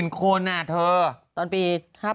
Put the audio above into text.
๕๐๐๐๐คนน่ะเธอตอนปี๕๘